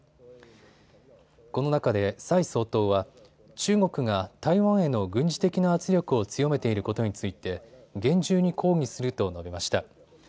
この中で蔡総統は中国が台湾への軍事的な圧力を強めていることについて厳重に抗議すると述べました。